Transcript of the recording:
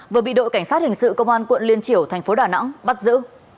vừa bị đội cảnh sát hình sự công an quận liên triểu thành phố đà nẵng bắt giữ